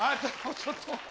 ちょっと。